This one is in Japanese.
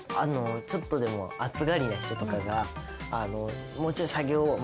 ちょっとでも暑がりな人とかがもうちょい下げよう